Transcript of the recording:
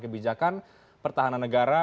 kebijakan pertahanan negara